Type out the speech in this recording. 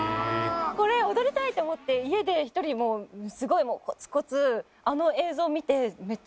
これ踊りたいと思って家で一人すごいもうコツコツあの映像見てめっちゃ練習したんですよ。